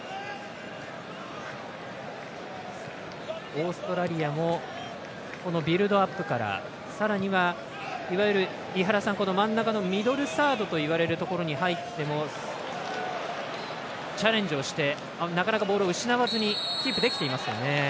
オーストラリアもビルドアップからさらには、いわゆる真ん中のミドルサードといわれるところに入っても、チャレンジをしてなかなかボール失わずにキープできてますよね。